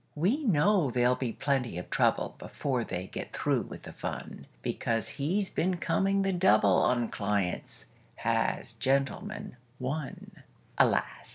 We know there'll be plenty of trouble Before they get through with the fun, Because he's been coming the double On clients, has "Gentleman, One". Alas!